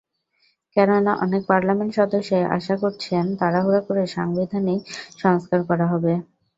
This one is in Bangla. কেননা, অনেক পার্লামেন্ট সদস্যই আশঙ্কা করছেন, তাড়াহুড়া করে সাংবিধানিক সংস্কার করা হবে।